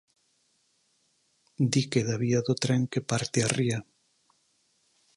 Dique da vía do tren que parte a ría.